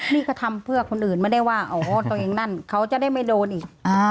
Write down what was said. นี่ก็ทำเพื่อคนอื่นไม่ได้ว่าอ๋อตัวเองนั่นเขาจะได้ไม่โดนอีก